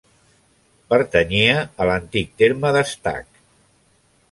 Pertanyia a l'antic terme d'Estac.